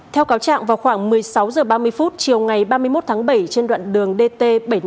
theo cáo trạng vào khoảng một mươi sáu h ba mươi chiều ngày ba mươi một tháng bảy trên đoạn đường dt bảy trăm năm mươi